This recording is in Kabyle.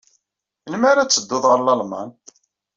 Melmi ara tedduḍ ɣer Lalman?